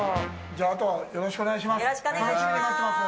じゃあ、あとはよろしくお願いします。